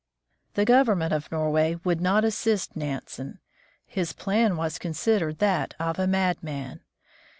The government of Nor way would not assist Nansen. His plan was considered that of a madman.